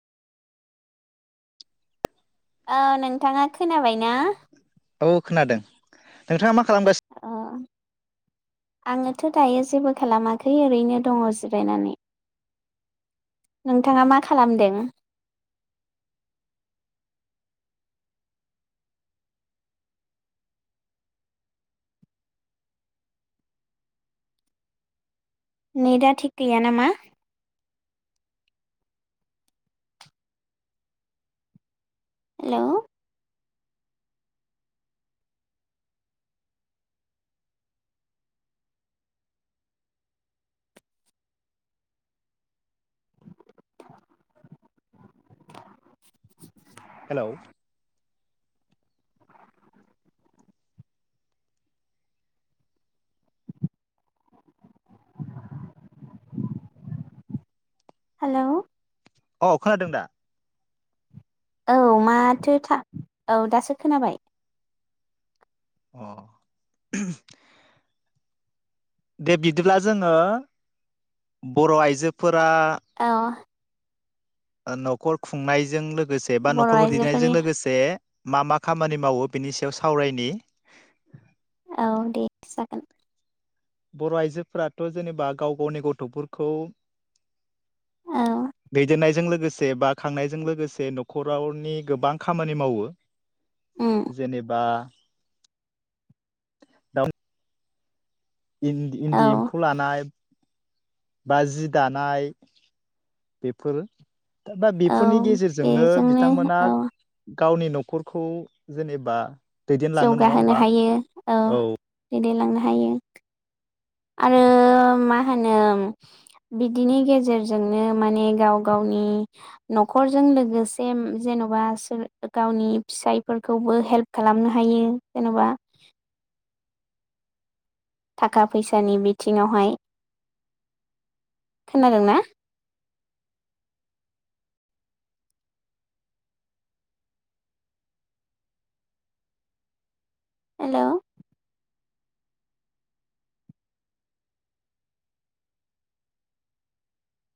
औ नोंथाङा खोनाबाय ना औ खोनादों नोंथाङा मा खालामगासि आङोथ' दायो जेबो खालामाखै ओरैनो दङ जिरायनानै। नोंथाङा मा खालामदों? नेट दा थिग गैया नामा? हेल' [inaudible] हेल' हाल' अ खोनादों दा? औ माथो था औ दासो खोनाबाय। अ दे बिदिब्ला जोङो बर' आइजोफोर औ ओ न'खर खुंनायजों लो गोसे बा बर' न'खरखौ दैदेननायजों आइजोफोरनि लोगोसे मा मा खामानि मावो बिनि सायाव सावरायनि औ दे जागोन। बर' आइजोफोराथ' जेनेबा गाव गावनि गथ'फोरखौ औ दैदेननायजों लोगोसे बा खांनायजों लोगोसे न'खरावनि गोबां खामानि मावो उम जेनेबा [unintelligible] औ इन-इन्दि एम्फौ लानाय बा जि दानाय बेफोर बा औ बेफोरनि गेजेरजोंनो बेजोंनो बिथांमोना औ गावनि न'खरखौ जेनेबा दैदेनलाङो नङा जौगाहोनो होमबा हायो औ दैदेलांनो हायो आरो मा होनो बिदिनि गेजेरजोंनो माने गाव गावनि न'खरजों लोगोसे जेन'बा गावनि फिसायफोरखौबो हेल्प खालामनो हायो जेन'बा थाखा फैसानि बिथिङावहाय खोनादोंना? हेल'